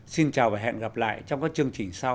xin chào và hẹn gặp lại trong các chương trình sau